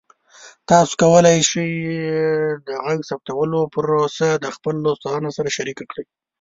تاسو کولی شئ د غږ ثبتولو پروسه د خپلو دوستانو سره شریکه کړئ.